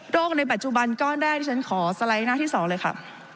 ในปัจจุบันก้อนแรกที่ฉันขอสไลด์หน้าที่๒เลยค่ะ